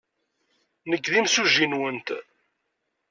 Nekk d imsujji-nwent.